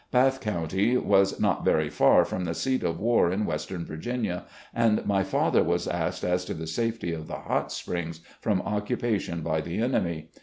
Bath County was not very far from the seat of war in western Virginia, and my father was asked as to the safety of the Hot Springs from occupation by the enemy.